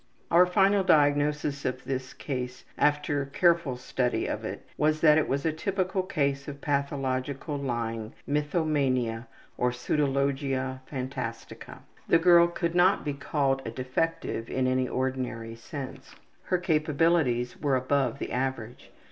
Our final diagnosis of this ease, after careful study of it, was that it was a typical case of pathological lying, mythomania, or pseudologia phantastica. The girl could not be called a defective in any ordinary sense. Her capabilities were above the average.